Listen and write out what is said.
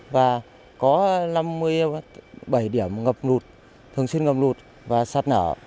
và có năm mươi bảy điểm ngập lụt thường xuyên ngập lụt và sạt nở